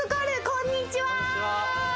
こんにちは